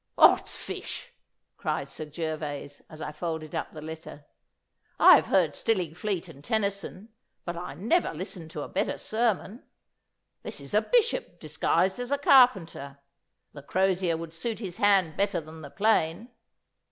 'Od's fish!' cried Sir Gervas, as I folded up the letter, 'I have heard Stillingfleet and Tenison, but I never listened to a better sermon. This is a bishop disguised as a carpenter. The crozier would suit his hand better than the plane.